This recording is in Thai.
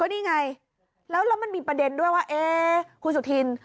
นี่ไงแล้วมันมีประเด็นด้วยว่าคุณสุธิน